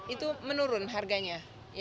itu menurun harganya